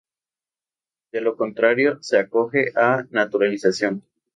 De lo contrario, se acoge a naturalización.